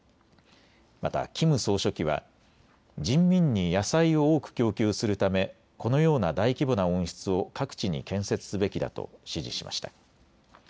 またキム総書記は人民に野菜を多く供給するためこのような大規模な温室を各地に建設すべきだと指示しました。